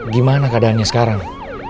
gimana keadaannya sekarang